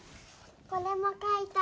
これも描いたの。